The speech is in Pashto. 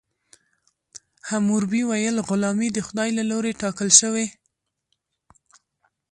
حموربي ویل غلامي د خدای له لورې ټاکل شوې.